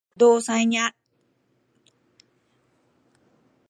不動産屋